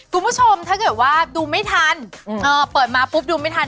คุณผู้ชมถ้าเกิดว่าดูไม่ทันเปิดมาปุ๊บดูไม่ทัน